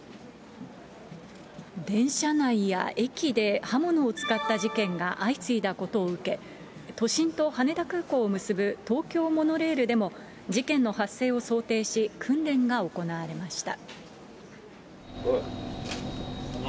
電車内や駅で刃物を使った事件が相次いだことを受け、都心と羽田空港を結ぶ東京モノレールでも事件の発生を想定し、訓練が行われました。